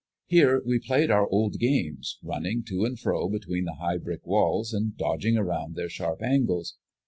Here we played our old games, running to and fro between the high brick walls, and dodging around their sharp angles.